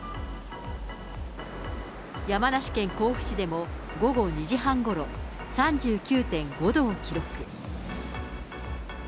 山梨県甲府市でも午後２時半ごろ、３９．５度を記録。